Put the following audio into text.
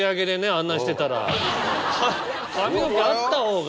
髪の毛あった方が。